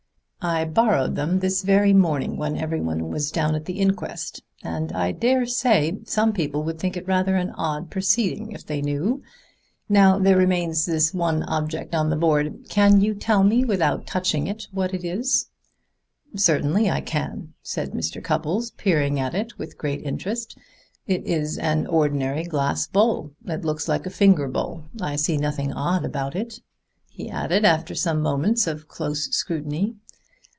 I borrowed them this very morning when everyone was down at the inquest, and I dare say some people would think it rather an odd proceeding if they knew. Now there remains one object on the board. Can you tell me, without touching it, what it is?" "Certainly I can," said Mr. Cupples, peering at it with great interest. "It is an ordinary glass bowl. It looks like a finger bowl. I see nothing odd about it," he added after some moments of close scrutiny.